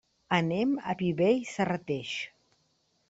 Anem a Viver i Serrateix.